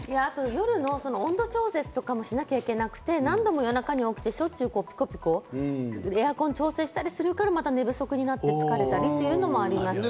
夜の温度調節もしなきゃいけなくて、夜中にしょっちゅうピコピコ、エアコンを調節したりするから、また寝不足になって疲れたりというのもありますね。